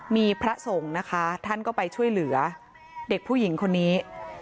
มีพระสงฆ์นะคะท่านก็ไปช่วยเหลือเด็กผู้หญิงคนนี้